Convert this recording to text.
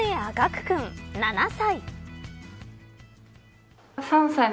玖君、７歳。